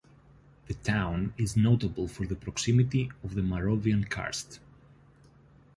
The town is notable for the proximity of the Moravian Karst.